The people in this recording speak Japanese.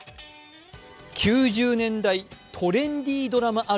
９０年代トレンディドラマ